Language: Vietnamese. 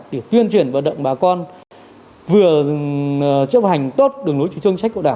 để tuyên truyền vận động bà con vừa chấp hành tốt đường lối truyền chung trách cộng đảng